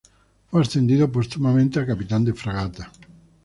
Fue ascendido póstumamente a capitán de fragata.